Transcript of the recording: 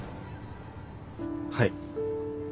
はい。